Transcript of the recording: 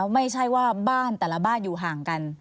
ไม่ใช่ว่าบ้านแต่ละบ้านอยู่ห่างกัน